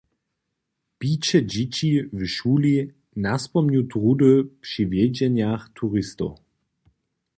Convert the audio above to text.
Biće dźěći w šuli naspomnju druhdy při wjedźenjach turistow.